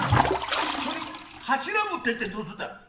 それ柱持ってってどうすんだ？